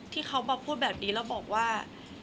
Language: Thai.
ที่เขามาพูดแบบนี้แล้วบอกว่า